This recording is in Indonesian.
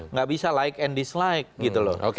nggak bisa like and dislike gitu loh